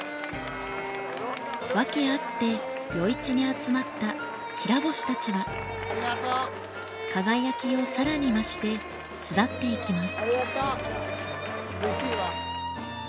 訳あって余市に集まったキラ星たちは輝きをさらに増して巣立っていきます。